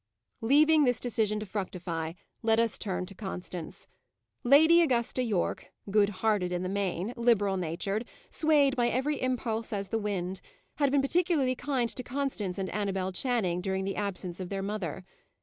Leaving this decision to fructify, let us turn to Constance. Lady Augusta Yorke good hearted in the main, liberal natured, swayed by every impulse as the wind had been particularly kind to Constance and Annabel Channing during the absence of their mother.